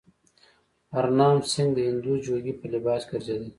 هرنام سینګه د هندو جوګي په لباس کې ګرځېدی.